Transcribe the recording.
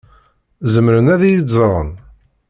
Zemren ad iyi-d-ẓren?